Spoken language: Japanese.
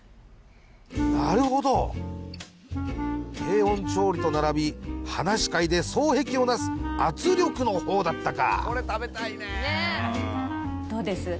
なるほど低温調理と並び歯無し界で双璧をなす圧力の方だったかどうです？